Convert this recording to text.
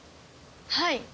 はい。